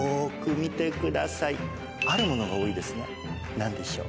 何でしょう？